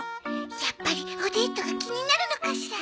やっぱりおデートが気になるのかしら？